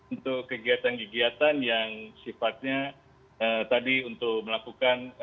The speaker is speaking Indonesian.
untuk kegiatan kegiatan yang sifatnya tadi untuk melakukan